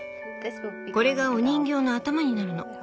これがお人形の頭になるの。